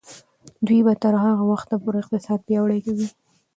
دوی به تر هغه وخته پورې اقتصاد پیاوړی کوي.